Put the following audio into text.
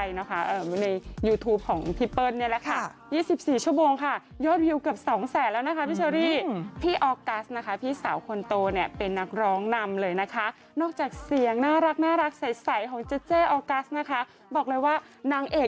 อยากเก็บเอาไว้ไม่ให้ใครได้มอง